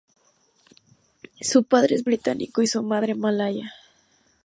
Su padre es británico y su madre malaya.